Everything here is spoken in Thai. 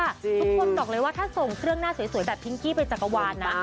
บอกเลยว่าถ้าส่งเครื่องหน้าสวยแบบพิงกี้ไปจักรวาลนะ